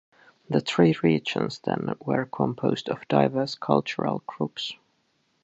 The three regions then were composed of diverse cultural groups.